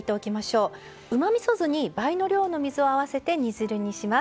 うまみそ酢に倍の量の水を合わせて煮汁にします。